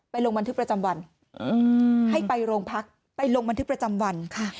ลงบันทึกประจำวันให้ไปโรงพักไปลงบันทึกประจำวันค่ะ